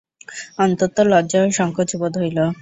অত্যন্ত লজ্জা ও সংকোচ বোধ হইল।